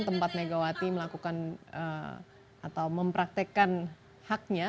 tempat megawati melakukan atau mempraktekkan haknya